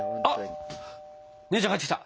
あっ姉ちゃん帰ってきた！